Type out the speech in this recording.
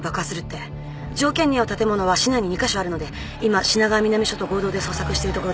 条件に合う建物は市内に２カ所あるので今品川南署と合同で捜索しているところです。